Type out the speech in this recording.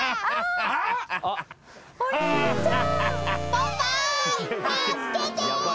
ポパイ助けて。